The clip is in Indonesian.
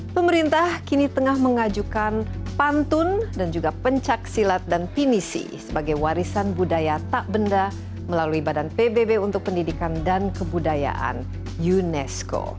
pemerintah kini tengah mengajukan pantun dan juga pencaksilat dan pinisi sebagai warisan budaya tak benda melalui badan pbb untuk pendidikan dan kebudayaan unesco